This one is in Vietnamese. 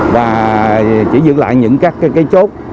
và chỉ giữ lại những các cái chốt